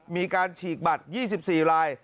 มีการฉีกบัตร๒๔ลาย